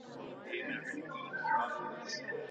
په هغه طهر کي طلاق ورکول منع دي، چي جماع ورسره سوې وي.